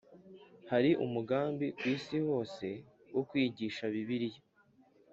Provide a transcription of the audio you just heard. Hari umugambi ku isi hose wo kwigisha Bibiliya